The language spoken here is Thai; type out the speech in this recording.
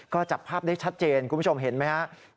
ก็จับภาพได้ชัดเจนคุณผู้ชมเห็นไหมครับ